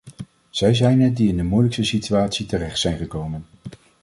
Zij zijn het die in de moeilijkste situatie terecht zijn gekomen.